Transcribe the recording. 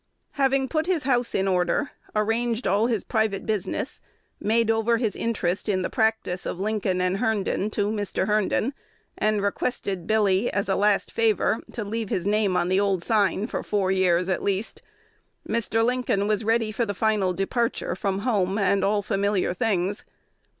Having put his house in order, arranged all his private business, made over his interest in the practice of Lincoln & Herndon to Mr. Herndon, and requested "Billy," as a last favor, to leave his name on the old sign for four years at least, Mr. Lincoln was ready for the final departure from home and all familiar things.